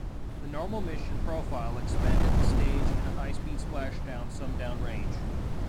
The normal mission profile expended the stage in a high-speed splashdown some downrange.